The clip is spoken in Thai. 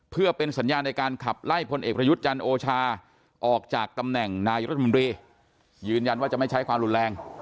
เพื่อเป็นสัญญาในการขับไล่พลเอกประยุทธ์จันทร์โอชาออกจากตำแหน่งนายรัฐมนตรียืนยันว่าจะไม่ใช้ความรุนแรง